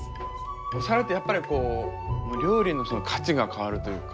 お皿ってやっぱりこう料理の価値が変わるというか。